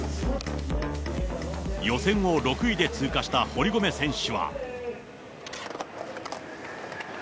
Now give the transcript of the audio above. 予選を６位で通過した堀米選手は。